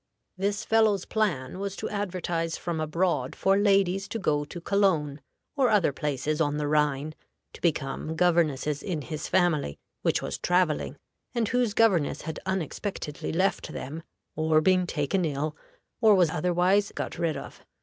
This fellow's plan was to advertise from abroad for ladies to go to Cologne, or other places on the Rhine, to become governesses in his family, which was traveling, and whose governess had unexpectedly left them, or been taken ill, or was otherwise got rid of.